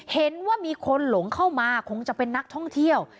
เห็นว่ามีคนหลงเข้ามาคงจะเป็นนักท่องเที่ยว